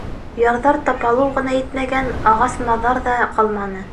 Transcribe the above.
Ярҙар тапалыу ғына етмәгән, ағас-маҙар ҙа ҡалманы.